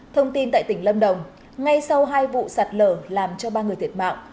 thông tin tại tỉnh lâm đồng ngay sau hai vụ sạt lở làm cho ba người thiệt mạng